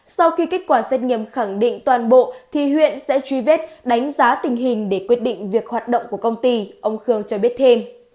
sau khi kết quả xét nghiệm khẳng định toàn bộ thì huyện sẽ truy vết đánh giá tình hình để quyết định việc hoạt động của công ty ông khương cho biết thêm